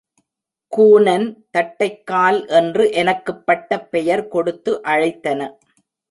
கூனன் தட்டைக்கால் என்று எனக்குப் பட்டப்பெயர் கொடுத்து அழைத்தன.